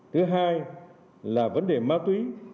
thứ hai là vấn đề ma túy